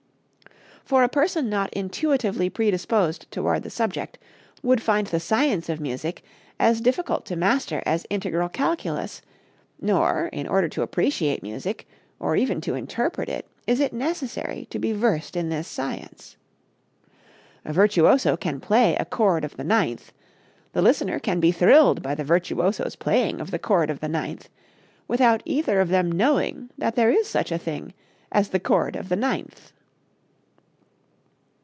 For a person not intuitively predisposed toward the subject would find the science of music as difficult to master as integral calculus; nor, in order to appreciate music, or even to interpret it, is it necessary to be versed in this science. A virtuoso can play a chord of the ninth, the listener can be thrilled by the virtuoso's playing of the chord of the ninth, without either of them knowing that there is such a thing as the chord of the ninth.